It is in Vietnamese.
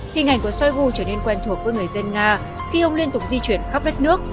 hình ảnh của shoigu trở nên quen thuộc với người dân nga khi ông liên tục di chuyển khắp đất nước